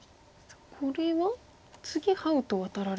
これは次ハウとワタられそうですね。